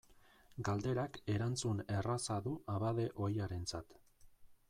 Galderak erantzun erraza du abade ohiarentzat.